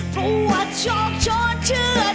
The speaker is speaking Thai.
เพราะวัดโชคโชคเชื่อ